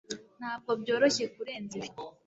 Ntabwo byoroshye kurenza ibi